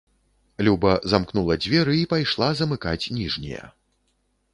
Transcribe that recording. Люба замкнула дзверы і пайшла замыкаць ніжнія.